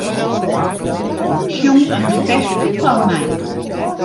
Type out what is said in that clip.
Sjong in ferske foar my.